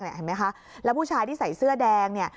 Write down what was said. เห็นไหมคะแล้วผู้ชายที่ใส่เสื้อแดงเนี่ย